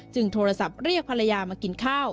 โทรศัพท์เรียกภรรยามากินข้าว